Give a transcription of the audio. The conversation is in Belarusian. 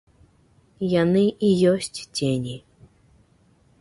Яны і ёсць цені.